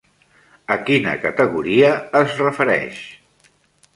A quina categoria es refereix?